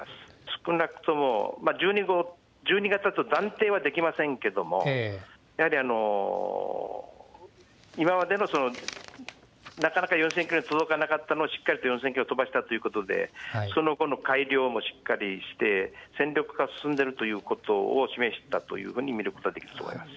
少なくとも１２型と断定はできませんけども、やはり今までのなかなか４０００キロに届かなかったのをしっかり４０００キロ飛ばしたということで、その後の改良もしっかりして、戦力化が進んでいるということを示したというふうに見ることはできると思います。